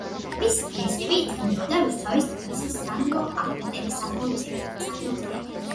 მისი პიესები იდგმებოდა რუსთავის, თბილისის სანდრო ახმეტელის სახელობის, ერთი მსახიობის თეატრებში.